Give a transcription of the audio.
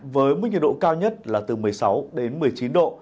với mức nhiệt độ cao nhất là từ một mươi sáu đến một mươi chín độ